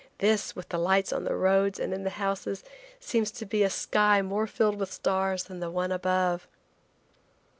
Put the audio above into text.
This, with the lights on the roads and in the houses, seems to be a sky more filled with stars than the one above.